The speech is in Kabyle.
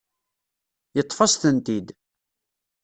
Yeṭṭef-as-tent-id.